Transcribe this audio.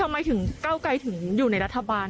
ทำไมถึงเก้าไกลถึงอยู่ในรัฐบาล